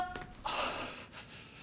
ああ。